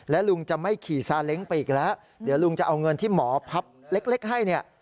และลุงจะไม่ขี่ซาเล้งไปอีกแล้วเดี๋ยวลุงจะเอาเงินที่หมอพับเล็กให้เนี่ย